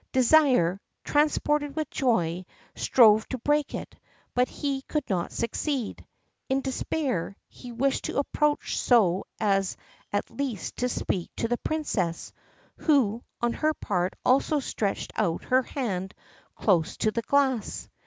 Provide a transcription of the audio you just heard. Désir, transported with joy, strove to break it, but he could not succeed; in despair, he wished to approach so as at least to speak to the Princess, who, on her part also stretched out her hand close to the glass.